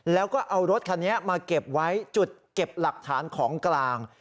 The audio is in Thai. แล้วก็เอารถคันนี้มาเก็บไว้จุดเก็บหลักฐานของกลาง